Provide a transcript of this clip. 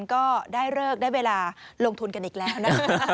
ก็ได้เลิกได้เวลาลงทุนกันอีกแล้วนะคะ